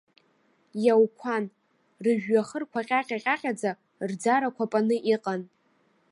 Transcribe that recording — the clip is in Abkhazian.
Иауқәан, рыжәҩахырқәа ҟьаҟьа-ҟьаҟьаӡа, рӡарақәа паны иҟан.